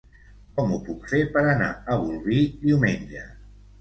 Com ho puc fer per anar a Bolvir diumenge?